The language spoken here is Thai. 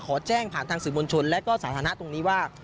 ขอแจ้งผ่านทางสื่อมวลชนและก็สาธารณะตรงนี้ว่า